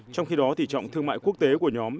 trong khi đó tỷ trọng thương mại quốc tế của nhóm